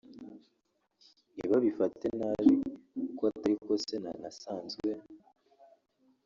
ntibabifate nabi ko atari ko se nanasanzwe